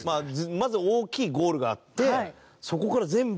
まず大きいゴールがあってそこから全部刻んで。